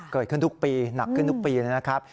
เกิดขึ้นทุกปีหนักขึ้นทุกปีนะครับ